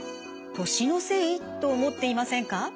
「年のせい？」と思っていませんか？